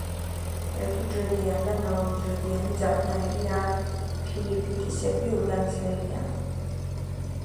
ერთუჯრედიანი და მრავალუჯრედიანი ძაფნაირი ან ფირფიტისებრი ორგანიზმებია.